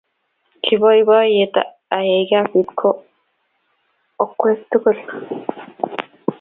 Kiboiboiyet ayai kasit ak okweket tuk